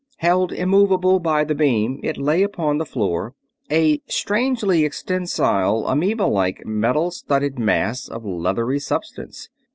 Held immovable by the beam it lay upon the floor, a strangely extensile, amoeba like, metal studded mass of leathery substance.